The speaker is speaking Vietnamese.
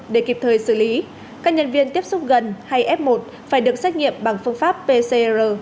để kịp thời xử lý các nhân viên tiếp xúc gần hay f một phải được xét nghiệm bằng phương pháp pcr